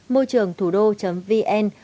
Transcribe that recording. môi trường thủ đô vn